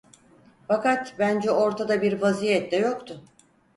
Fakat bence ortada bir vaziyet de yoktu.